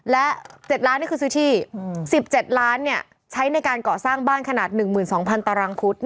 และเจ็ดล้านนี่คือซื้อที่อืมสิบเจ็ดล้านเนี้ยใช้ในการก่อสร้างบ้านขนาดหนึ่งหมื่นสองพันตารางพุทธ